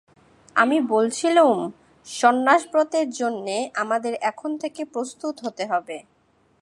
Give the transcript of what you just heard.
আমি বলছিলুম, সন্ন্যাসব্রতের জন্যে আমাদের এখন থেকে প্রস্তুত হতে হবে।